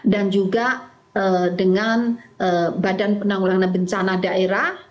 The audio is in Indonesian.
dan juga dengan badan penanggulangan bencana daerah